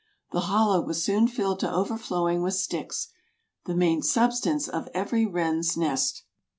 The hollow was soon filled to overflowing with sticks, the main substance of every wren's nest.